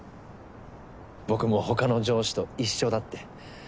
僕も他の上司と一緒だって。